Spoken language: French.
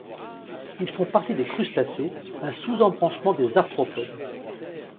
Ils font partie des crustacés, un sous-embranchement des arthropodes.